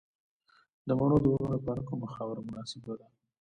د مڼو د ونو لپاره کومه خاوره مناسبه ده؟